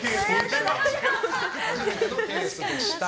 初めてのケースでした。